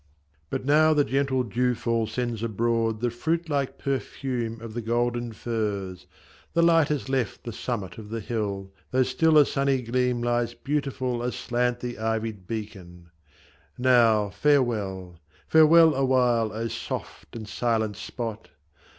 But now the gentle dew fall sends abroad The fruit like perfume of the golden furze : The light has left the summit of the hill, Though still a sunny gleam lies beautiful, Aslant the ivied beacon. Now farewell, Farewell, awhile, O soft and silent spot